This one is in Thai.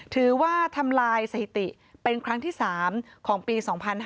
ถือว่าทำลายสถิติเป็นครั้งที่๓ของปี๒๕๕๙